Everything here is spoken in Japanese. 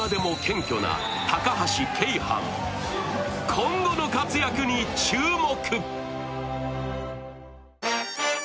今後の活躍に注目。